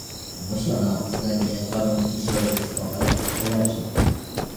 Musi ona uwzględniać warunki środowiskowe i społeczne